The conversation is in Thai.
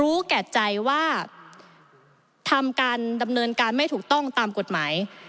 แก่ใจว่าทำการดำเนินการไม่ถูกต้องตามกฎหมาย